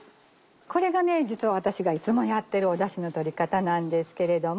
これが実は私がいつもやってるだしのとり方なんですけれども。